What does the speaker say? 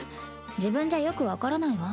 自分じゃよく分からないわ。